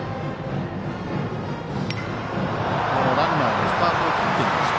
ランナーもスタートを切っていました。